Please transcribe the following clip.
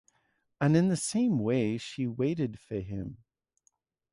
And in the same way she waited for him.